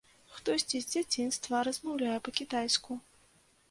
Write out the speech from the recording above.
Хтосьці з дзяцінства размаўляе па-кітайску.